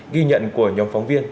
ghi nhận của nhóm phóng viên